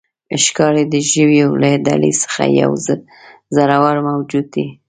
ښکاري د ژویو له ډلې څخه یو زړور موجود دی.